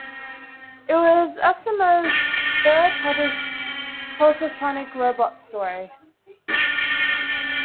It was Asimov's third published positronic robot story.